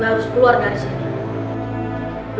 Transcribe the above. harus keluar dari sini